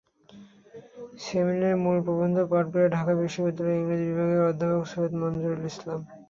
সেমিনারে মূল প্রবন্ধ পাঠ করেন ঢাকা বিশ্ববিদ্যালয়ের ইংরেজি বিভাগের অধ্যাপক সৈয়দ মনজুরুল ইসলাম।